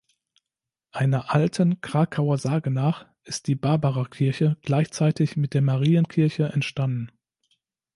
Einer alten Krakauer Sage nach ist die Barbarakirche gleichzeitig mit der Marienkirche entstanden.